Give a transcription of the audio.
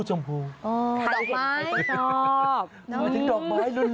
ชมพูดอกไม้รุน